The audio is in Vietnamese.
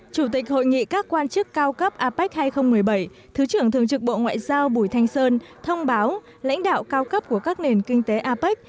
chủ tịch hội nghị các quan chức cao cấp apec hai nghìn một mươi bảy thứ trưởng thường trực bộ ngoại giao bùi thanh sơn thông báo lãnh đạo cao cấp của các nền kinh tế apec